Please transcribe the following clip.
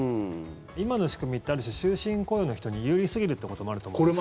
今の仕組みってある種、終身雇用の人に有利すぎるということもあると思うんですよね。